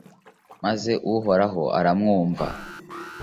maze uhoraho aramwumva